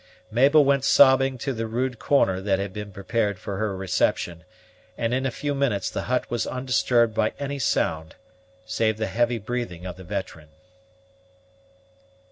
Mabel went sobbing to the rude corner that had been prepared for her reception; and in a few minutes the hut was undisturbed by any sound, save the heavy breathing of the veteran.